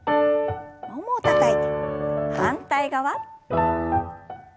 ももをたたいて反対側。